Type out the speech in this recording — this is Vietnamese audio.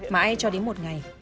mãi cho đến một ngày